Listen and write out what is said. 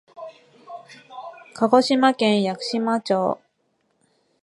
鹿児島県屋久島町